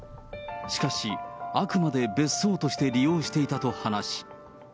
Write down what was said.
しかし、あくまで別荘として利用していたと話し。